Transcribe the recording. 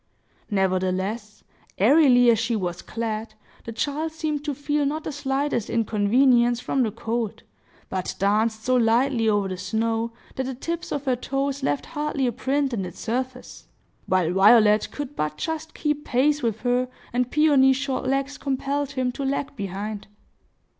Nevertheless, airily as she was clad, the child seemed to feel not the slightest inconvenience from the cold, but danced so lightly over the snow that the tips of her toes left hardly a print in its surface; while Violet could but just keep pace with her, and Peony's short legs compelled him to lag behind.